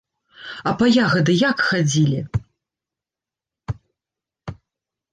А па ягады як хадзілі?